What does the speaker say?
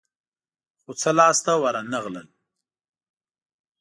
خو څه لاس ته ورنه غلل.